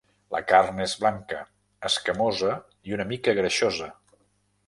La carn és blanca, escamosa i una mica greixosa.